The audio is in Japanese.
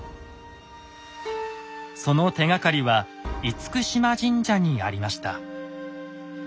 その手がかりは嚴島神社にありました。